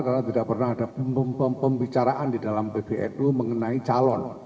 karena tidak pernah ada pembicaraan di dalam pbnu mengenai calon